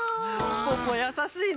ポッポやさしいね。